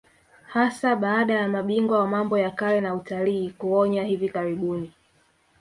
Hasa baada ya mabingwa wa mambo ya kale na utalii kuonya hivi karibuni